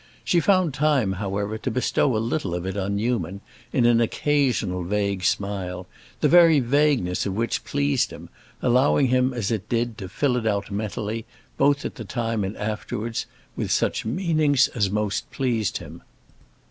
She found time, however, to bestow a little of it on Newman, in an occasional vague smile, the very vagueness of which pleased him, allowing him as it did to fill it out mentally, both at the time and afterwards, with such meanings as most pleased him.